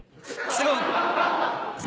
すごい。